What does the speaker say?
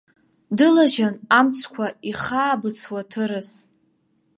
Дылажьын амҵқәа ихаабыцуа аҭырас.